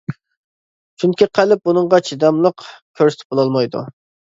چۈنكى قەلب بۇنىڭغا چىداملىق كۆرسىتىپ بولالمايدۇ.